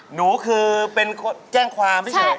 หนูคือเป็นแจ้งความใช่ไหม